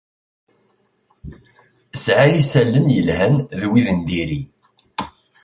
Sɛiɣ isalan yelhan d wid n diri.